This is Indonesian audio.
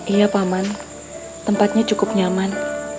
iya paman tempatnya cukup nyaman